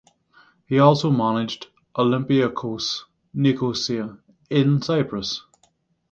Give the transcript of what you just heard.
He also managed Olympiakos Nicosia in Cyprus.